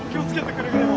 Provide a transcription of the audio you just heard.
くれぐれも。